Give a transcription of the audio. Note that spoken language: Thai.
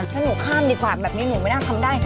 ถ้าหนูข้ามดีกว่าแบบนี้หนูไม่น่าทำได้